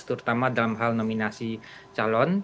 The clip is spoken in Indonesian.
terutama dalam hal nominasi calon